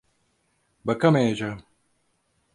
Bakamayacağım.